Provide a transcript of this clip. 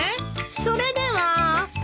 それでは。